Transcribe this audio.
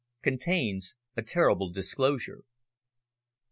CONTAINS A TERRIBLE DISCLOSURE.